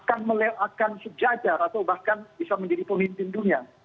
akan sejajar atau bahkan bisa menjadi pemimpin dunia